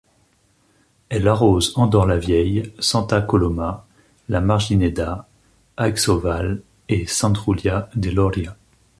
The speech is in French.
Elle arrose Andorre-la-Vieille, Santa Coloma, La Margineda, Aixovall et Sant Julià de Lòria.